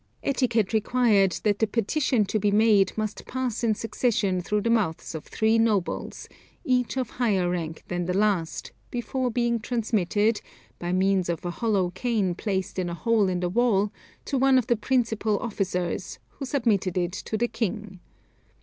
Etiquette required that the petition to be made must pass in succession through the mouths of three nobles, each of higher rank than the last, before being transmitted, by means of a hollow cane placed in a hole in the wall, to one of the principal officers, who submitted it to the king.